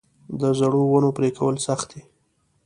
د زړو ونو پرې کول سخت دي؟